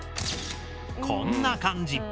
こんな感じ。